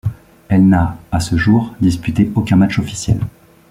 Elle n'a, à ce jour, disputé aucun match officiel.